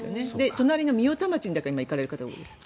隣の御代田町に行かれる方が多いです。